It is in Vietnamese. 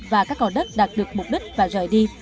và các cò đất đạt được mục đích và rời đi